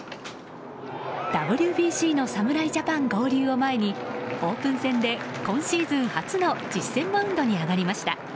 ＷＢＣの侍ジャパン合流を前にオープン戦で今シーズン発の実戦マウンドに上がりました。